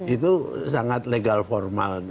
itu sangat legal formal